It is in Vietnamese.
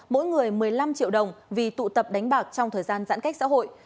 mỗi người một mươi năm triệu đồng vì tụ tập đánh bạc trong thời gian giãn cách xã hội